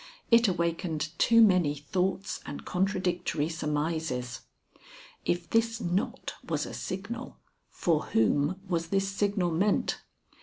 It awakened too many thoughts and contradictory surmises. If this knot was a signal, for whom was this signal meant?